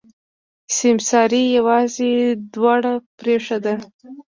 سيمسارې يوازې دوړه پرېښوده.